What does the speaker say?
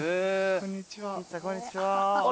こんにちは。